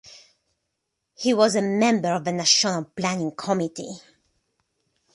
He was a member of the National Planning Committee.